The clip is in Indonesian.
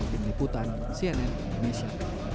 dini putan cnn indonesia